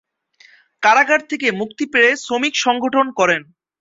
কারাগার থেকে মুক্তি পেয়ে শ্রমিক সংগঠন করেন।